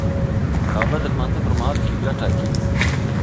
کعبه د لمانځه پر مهال قبله ټاکي.